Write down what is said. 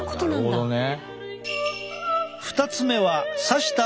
なるほどね。